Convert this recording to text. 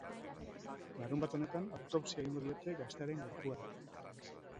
Larunbat honetan autopsia egingo diote gaztearen gorpuari.